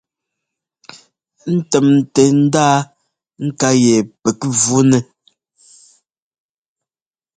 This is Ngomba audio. Ńtɛ́mtɛ ndaa ŋká yɛ pɛ́k vunɛ.